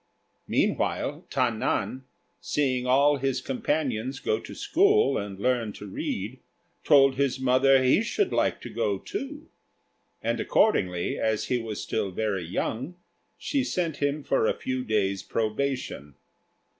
Meanwhile, Ta nan, seeing all his companions go to school and learn to read, told his mother he should like to go too; and accordingly, as he was still very young, she sent him for a few days' probation.